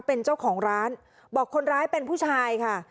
เป็นเจ้าของร้านบอกคนร้ายเป็นผู้ชายค่ะ